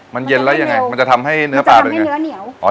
มันเย็นแล้วยังไงมันจะทำให้เนื้อปลามันให้เนื้อเหนียว